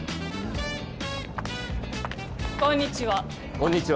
こんにちは。